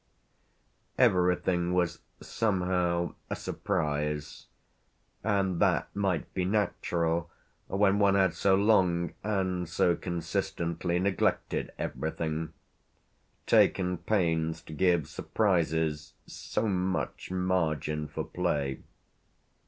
Everything was somehow a surprise; and that might be natural when one had so long and so consistently neglected everything, taken pains to give surprises so much margin for play.